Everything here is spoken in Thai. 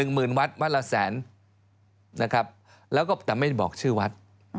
หมื่นวัดวัดละแสนนะครับแล้วก็แต่ไม่ได้บอกชื่อวัด